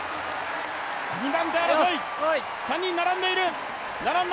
２番手争い、３人並んでいる。